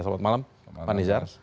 selamat malam pak nizar